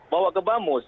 bawa ke bamus